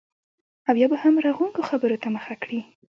او یا به هم رغونکو خبرو ته مخه کړي